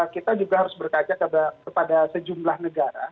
kita juga harus berkaca kepada sejumlah negara